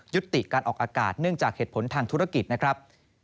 ติการออกอากาศเนื่องจากเหตุผลทางธุรกิจนะครับ